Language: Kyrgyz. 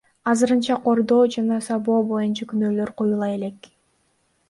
Азырынча кордоо жана сабоо боюнча күнөөлөр коюла элек.